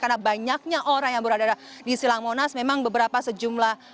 karena banyaknya orang yang berada di silang monas memang beberapa sejumlah